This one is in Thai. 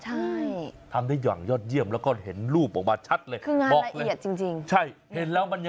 ใช่ทำได้อย่างยอดเยี่ยมแล้วก็เห็นรูปออกมาชัดเลย